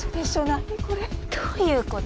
何これどういうこと？